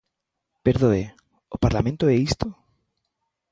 Perdoe, ¿o Parlamento é isto?